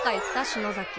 篠崎。